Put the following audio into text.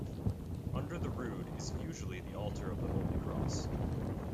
Under the rood is usually the altar of the Holy Cross.